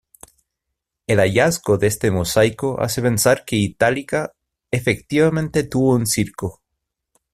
El hallazgo de este mosaico hace pensar que Itálica efectivamente tuvo un circo.